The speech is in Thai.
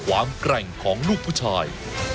แกร่งของลูกผู้ชาย